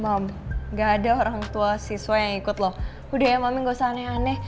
mama gak ada orang tua siswa yang ikut loh udah ya mama gak usah aneh aneh